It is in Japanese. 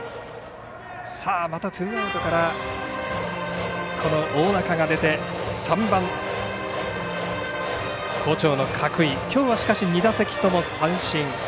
さあ、またツーアウトからこの大仲が出て３番好調の角井、きょうは２打席とも三振。